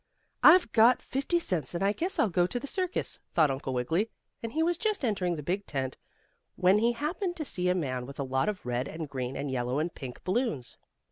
"I've got fifty cents, and I guess I'll go to the circus," thought Uncle Wiggily, and he was just entering the big tent when he happened to see a man with a lot of red and green and yellow and pink balloons.